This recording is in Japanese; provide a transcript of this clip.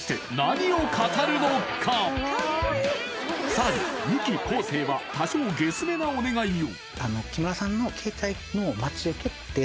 さらにミキ・昴生は多少ゲスめなお願いを！